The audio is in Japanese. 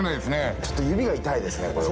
ちょっと指が痛いですねこれは。